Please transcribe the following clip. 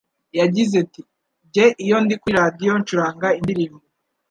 Yagize ati :”Jye iyo ndi kuri Radio ncuranga indirimbo